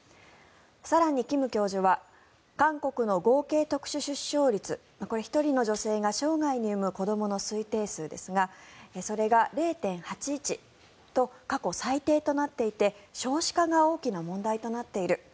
更に、金教授は韓国の合計特殊出生率これ、１人の女性が生涯に産む子どもの推定数ですがそれが０．８１と過去最低となっていて少子化が大きな問題となっている。